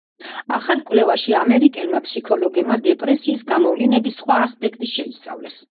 ახალ კვლევაში ამერიკელმა ფსიქოლოგებმა დეპრესიის გამოვლინების სხვა ასპექტი შეისწავლეს.